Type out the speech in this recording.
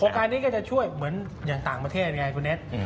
การนี้ก็จะช่วยเหมือนอย่างต่างประเทศไงคุณเน็ต